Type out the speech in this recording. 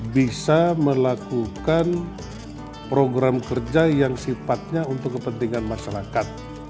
bisa melakukan program kerja yang sifatnya untuk kepentingan masyarakat